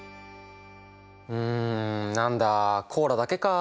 うんなんだコーラだけか。